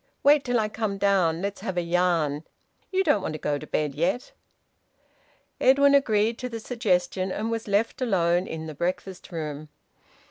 "Wait till I come down. Let's have a yarn. You don't want to go to bed yet." Edwin agreed to the suggestion, and was left alone in the breakfast room.